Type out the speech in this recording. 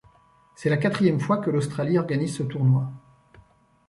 C'est la quatrième fois que l'Australie organise ce tournoi.